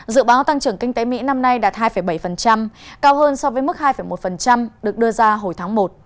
dự báo tăng trưởng kinh tế mỹ năm nay đạt hai bảy cao hơn so với mức hai một được đưa ra hồi tháng một